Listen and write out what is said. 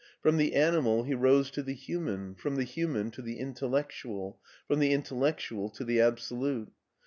From the animal he rose to the human, from the human to the intellectual, from the intel lectual to the absolute.